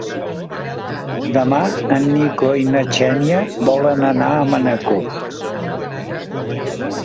Demà en Nico i na Xènia volen anar a Manacor.